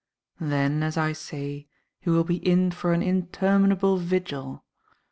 Then, as I say, he will be in for an interminable vigil.